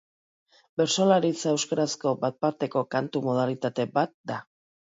Bertsolaritza euskarazko bat-bateko kantu modalitate bat da.